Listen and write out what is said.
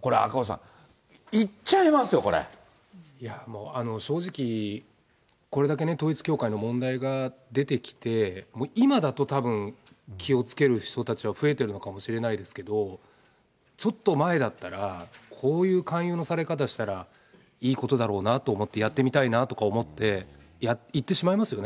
これ、赤星さん、もう、正直、これだけね、統一教会の問題が出てきて、今だとたぶん、気をつける人たちは増えてるのかもしれないですけど、ちょっと前だったら、こういう勧誘のされ方したら、いいことだろうなと思って、やってみたいなとか思って、行ってしまいますよね。